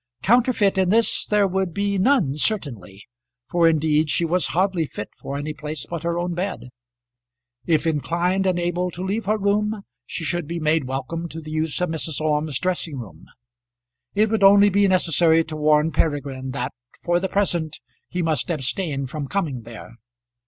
Counterfeit in this there would be none certainly, for indeed she was hardly fit for any place but her own bed. If inclined and able to leave her room, she should be made welcome to the use of Mrs. Orme's dressing room. It would only be necessary to warn Peregrine that for the present he must abstain from coming there.